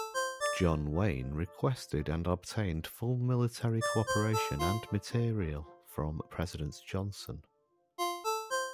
John Wayne requested and obtained full military co-operation and materiel from President Johnson.